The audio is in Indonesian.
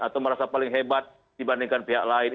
atau merasa paling hebat dibandingkan pihak lain